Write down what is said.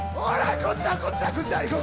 こっちだ、こっちだ、こっちいこう！